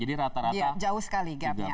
jadi rata rata jauh sekali gapnya